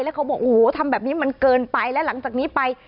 เขาบอกโอ้โหทำแบบนี้มันเกินไปแล้วหลังจากนี้ไป